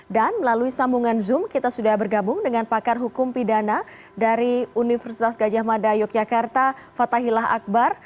dan melalui sambungan zoom kita sudah bergabung dengan pakar hukum pidana dari universitas gajah mada yogyakarta fatahillah akbar